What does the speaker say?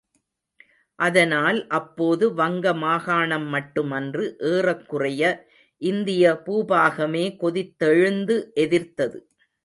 அதனால், அப்போது வங்க மாகாணம் மட்டுமன்று, ஏறக்குறைய இந்திய பூபாகமே கொதித்தெழுந்து எதிர்த்தது.